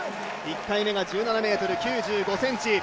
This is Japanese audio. １回目が１７ｍ９５ｃｍ。